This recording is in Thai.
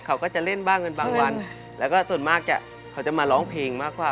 เขาก็จะเล่นบ้างกันบางวันแล้วก็ส่วนมากจะเขาจะมาร้องเพลงมากกว่า